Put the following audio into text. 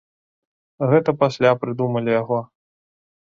Гэта пасля прыдумалі яго.